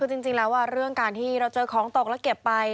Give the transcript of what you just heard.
คือจริงแล้วเรื่องการที่เราเจอของตกแล้วเก็บไป